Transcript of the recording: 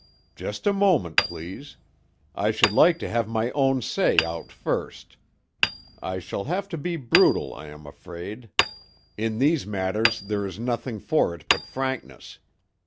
"Just a moment, please. I should like to have my own say out first. I shall have to be brutal, I am afraid. In these matters there is nothing for it but frankness.